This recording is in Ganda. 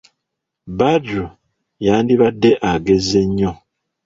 Badru, yandibadde agezze nnyo.